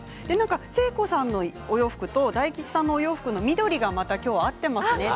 誠子さんのお洋服と大吉さんのお洋服の緑が合っていますねと。